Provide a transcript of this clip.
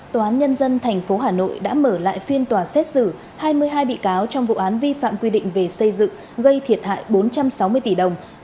tòa án nhân dân tp hà nội đã mở lại phiên tòa xét xử hai mươi hai bị cáo trong vụ án vi phạm quy định về xây dựng